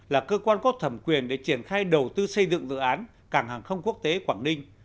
là cơ quan có thẩm quyền để triển khai đầu tư xây dựng dự án cảng hàng không quốc tế quảng ninh